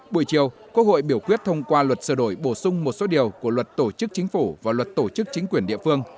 buổi chiều quốc hội biểu quyết thông qua luật sửa đổi bổ sung một số điều của luật tổ chức chính phủ và luật tổ chức chính quyền địa phương